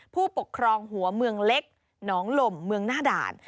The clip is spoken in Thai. ผู้ปกครองหัวเมืองเล็กหนองลมเมืองหน้าด่าน